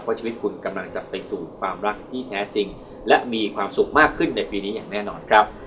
เพราะชีวิตคุณกำลังจะไปสู่ความรักที่แท้จริงและมีความสุขมากขึ้นในปีนี้อย่างแน่นอนครับ